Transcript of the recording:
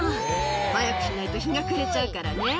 「早くしないと日が暮れちゃうからね」